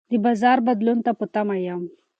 د بازار بدلون ته په تمه یم.